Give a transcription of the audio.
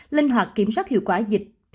linh hoạt kiểm soát hiệu quả dịch